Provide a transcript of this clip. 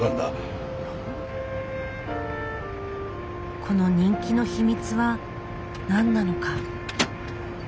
この人気の秘密は何なのか。